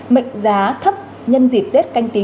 mệnh giá thấp nhân dịp tết canh tí